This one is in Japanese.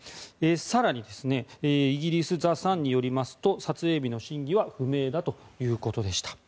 更にイギリス、ザ・サンによりますと撮影日の真偽は不明だということでした。